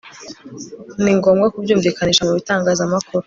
ni ngombwa kubyumvikanisha mu bitangazamakuru